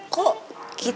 kok gitu mukanya